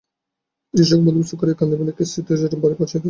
তিনি স্বয়ং বন্দোবস্ত করিয়া কাদম্বিনীকে শ্রীপতিচরণবাবুর বাড়ি পৌঁছাইয়া দিলেন।